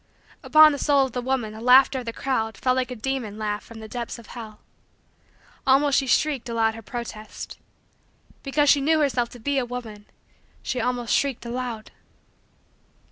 Upon the soul of the woman the laughter of the crowd fell like a demon laugh from the depths of hell. Almost she shrieked aloud her protest. Because she knew herself to be a woman, she almost shrieked aloud.